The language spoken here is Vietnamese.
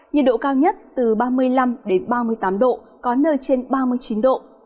nhiệt độ cao nhất từ ba mươi năm ba mươi tám độ có nơi trên ba mươi chín độ